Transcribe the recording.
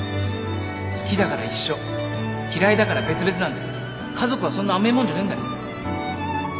好きだから一緒嫌いだから別々なんて家族はそんな甘えもんじゃねえんだよ